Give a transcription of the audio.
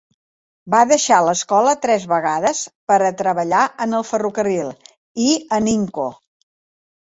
Va deixar l'escola tres vegades per a treballar en el ferrocarril, i en Inco.